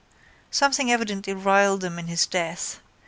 Something evidently riled them in his death.